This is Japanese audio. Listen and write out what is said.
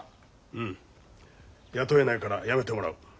うん雇えないから辞めてもらう。